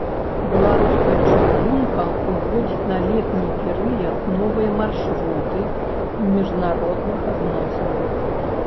Беларуская чыгунка ўводзіць на летні перыяд новыя маршруты ў міжнародных зносінах.